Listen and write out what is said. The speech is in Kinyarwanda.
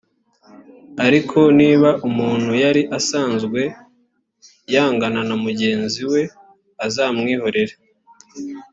ariko niba umuntu yari asanzwe yangana na mugenzi we uzamwihorere,